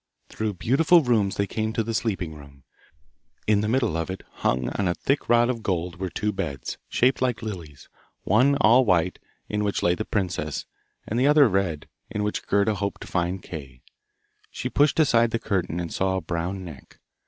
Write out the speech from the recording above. Through beautiful rooms they came to the sleeping room. In the middle of it, hung on a thick rod of gold, were two beds, shaped like lilies, one all white, in which lay the princess, and the other red, in which Gerda hoped to find Kay. She pushed aside the curtain, and saw a brown neck.